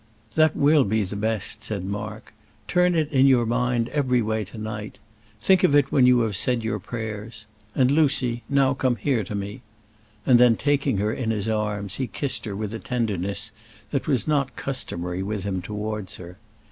"That will be the best," said Mark. "Turn it in your mind every way to night. Think of it when you have said your prayers and, Lucy, come here to me;" then, taking her in his arms, he kissed her with a tenderness that was not customary with him towards her.